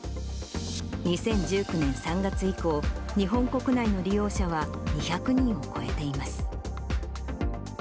２０１９年３月以降、日本国内の利用者は２００人を超えています。